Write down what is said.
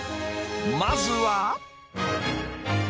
［まずは］